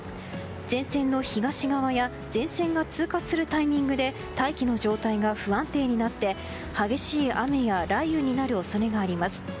前線の東側や前線が通過するタイミングで大気の状態が不安定になって激しい雨や雷雨になる恐れがあります。